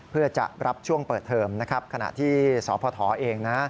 เพื่อจะรับช่วงเปิดเทิมขณะที่สพเอง